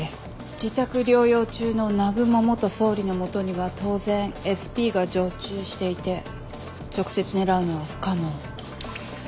自宅療養中の南雲元総理の元には当然ＳＰが常駐していて直接狙うのは不可能。